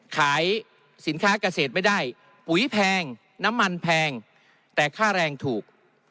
ขายสินค้าเกษตรไม่ได้ปุ๋ยแพงน้ำมันแพงแต่ค่าแรงถูก